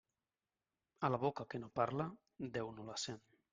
A la boca que no parla, Déu no la sent.